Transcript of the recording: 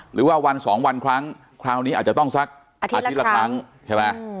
หรือว่าวันสองวันครั้งคราวนี้อาจจะต้องสักอาทิตย์ละครั้งใช่ไหม